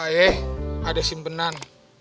ayo ada simpenan